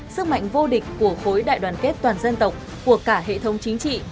sức mạnh vô địch của khối đại đoàn kết toàn dân tộc của cả hệ thống chính trị